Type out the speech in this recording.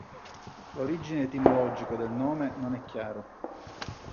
L'origine etimologico del nome non è chiaro.